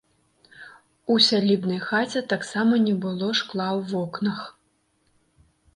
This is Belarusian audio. У сялібнай хаце таксама не было шкла ў вокнах.